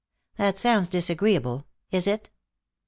"That sounds disagreeable. Is it?"